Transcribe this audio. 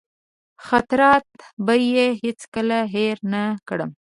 خاطرات به یې هېڅکله هېر نه کړم.